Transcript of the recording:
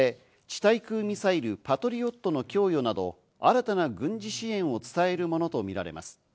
対空ミサイル・パトリオットの供与など、新たな軍事支援を伝えるものとみられます。